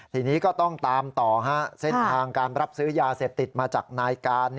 ทีนี้ก็ต้องตามต่อเส้นทางการรับซื้อยาเสพติดมาจากนายการ